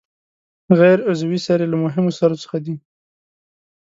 غیر عضوي سرې له مهمو سرو څخه دي.